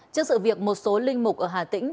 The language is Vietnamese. trước sự việc một số linh mục ở hà tĩnh